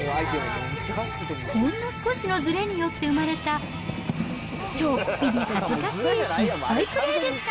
ほんの少しのずれによって生まれた、ちょっぴり恥ずかしい失敗プレーでした。